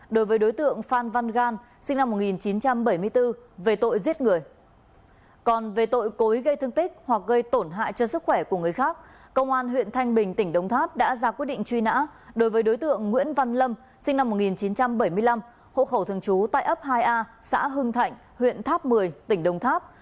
đối với đối tượng nguyễn văn lâm sinh năm một nghìn chín trăm bảy mươi năm hộ khẩu thường trú tại ấp hai a xã hưng thạnh huyện tháp một mươi tỉnh đông tháp